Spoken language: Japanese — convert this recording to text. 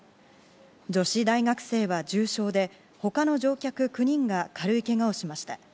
女子大学生は重傷で他の乗客９人が軽いけがをしました。